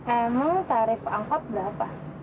emang tarif angkot berapa